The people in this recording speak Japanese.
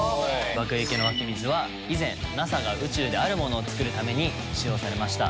湧池の湧き水は以前ＮＡＳＡが宇宙であるものを作るために使用されました。